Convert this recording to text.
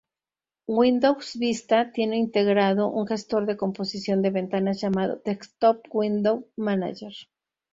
Windows Vista tiene integrado un gestor de composición de ventanas llamado Desktop window manager.